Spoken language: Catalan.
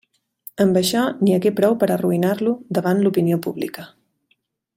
Amb això n'hi hagué prou per a arruïnar-lo davant l'opinió pública.